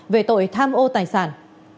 về tội tham ô tài sản